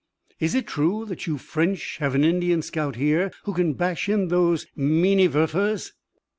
"Is it true that you French have an Indian scout here who can bash in those Minenwerfers?"